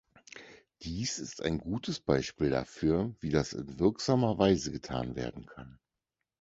Dies ist ein gutes Beispiel dafür, wie das in wirksamer Weise getan werden kann.